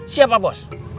siap pak bos